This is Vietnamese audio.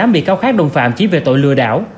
một mươi tám bị cáo khác đồn phạm chỉ về tội lừa đảo